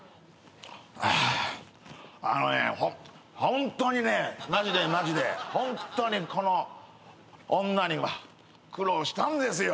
ホントにねマジでマジでホントにこの女には苦労したんですよ！